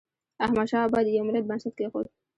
احمد شاه بابا د یو ملت بنسټ کېښود.